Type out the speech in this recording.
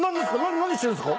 何してるんですか？」。